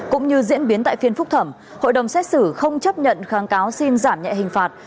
cũng như diễn biến tại phiên phúc thẩm hội đồng xét xử không chấp nhận kháng cáo xin giảm nhẹ hình phạt